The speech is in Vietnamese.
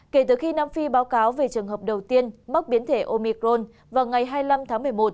kể từ khi nam phi báo cáo về trường hợp đầu tiên mắc biến thể omicron vào ngày hai mươi năm tháng một mươi một